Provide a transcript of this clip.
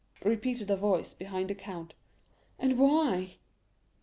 repeated a voice behind the count, "and why?"